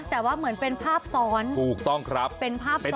แต่ว่าเหมือนเป็นภาพซ้อนถูกต้องครับเป็นภาพ